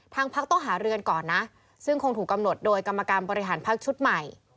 พักต้องหาเรือนก่อนนะซึ่งคงถูกกำหนดโดยกรรมการบริหารพักชุดใหม่